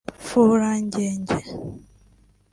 Fula Ngenge